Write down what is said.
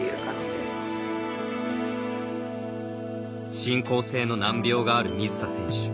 進行性の難病がある水田選手。